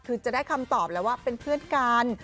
คือจะได้คำตอบแล้วว่าเป็นเพื่อนกัน